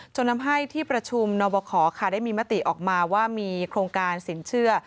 จนทำให้ที่ประชุมนบคได้มีมติออกมาว่ามีโครงการสินเชื่อ